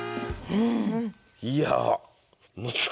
うん。